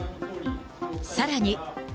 さらに。